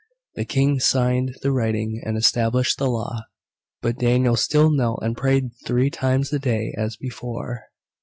The King signed the writing and established the law. But Daniel still knelt and prayed three times a day as before.